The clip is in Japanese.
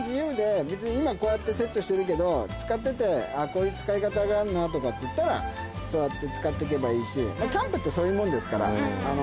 別に今こうやってセットしてるけど使っててこういう使い方があんなとかっていったらそうやって使ってけばいいしキャンプってそういうもんですから。